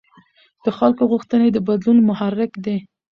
د خلکو غوښتنې د بدلون محرک دي